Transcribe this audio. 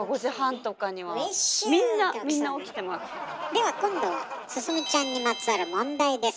では今度は進ちゃんにまつわる問題です。